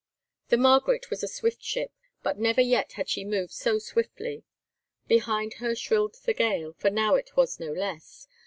The Margaret was a swift ship, but never yet had she moved so swiftly. Behind her shrilled the gale, for now it was no less.